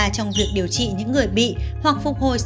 trong việc điều trị những chất béo omega ba là sức khỏe